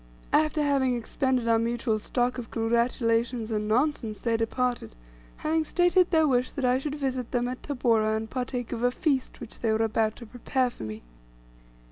After having expended our mutual stock of congratulations and nonsense, they departed, having stated their wish that I should visit them at Tabora and partake of a feast which they were about to prepare for me.